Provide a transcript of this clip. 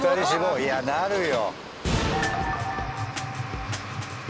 いやなるよ。